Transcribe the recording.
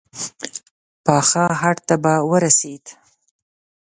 پاخه هډ ته به ورسېد.